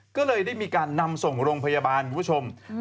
ก็เลยได้มีการนำส่งโรงพยาบาลคุณผู้ชม